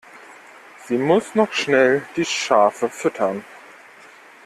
Sie muss noch schnell die Schafe füttern.